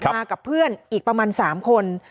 มากับเพื่อนอีกประมาณ๓คน